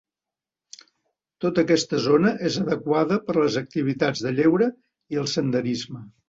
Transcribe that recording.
Tota aquesta zona és adequada per a les activitats de lleure i el senderisme.